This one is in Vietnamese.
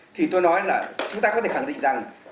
thì tôi nói là chúng ta có thể khẳng định rằng